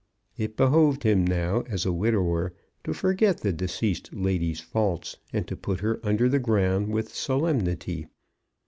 It behoved him now as a widower to forget the deceased lady's faults, and to put her under the ground with solemnity.